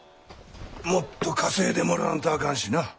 もっと稼いでもらわんとあかんしな。